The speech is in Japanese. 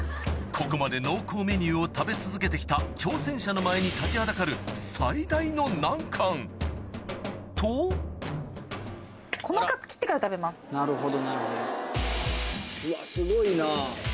ここまで濃厚メニューを食べ続けて来た挑戦者の前に立ちはだかる最大の難関となるほどなるほど。